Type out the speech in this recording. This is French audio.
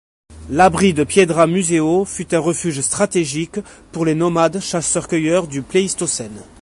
L'abri de Piedra Museo fut un refuge stratégique pour les nomades chasseurs-cueilleurs du Pléistocène.